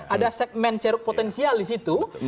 ada segmen ceruk potensial di situ